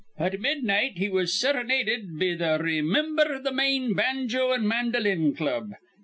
At midnight he was serenaded be th' Raymimber th' Maine Banjo an' Mandolin Club.